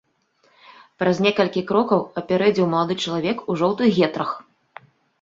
Праз некалькі крокаў апярэдзіў малады чалавек у жоўтых гетрах.